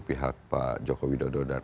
pihak pak joko widodo dan